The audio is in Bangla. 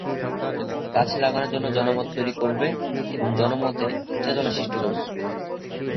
গাছ লাগানোর জন্য জনমত তৈরি করবে এবং জনমতে চেতনা সৃষ্টি করবে।